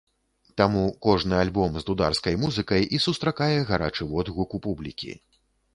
Таму кожны альбом з дударскай музыкай і сустракае гарачы водгук у публікі.